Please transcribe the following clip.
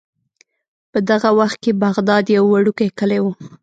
په دغه وخت کې بغداد یو وړوکی کلی و.